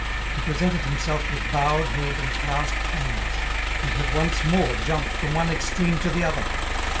He presented himself with bowed head and clasped hands. He had once more jumped from one extreme to the other.